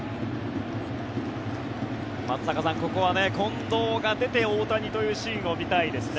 松坂さん、ここは近藤が出て大谷というシーンを見たいですね。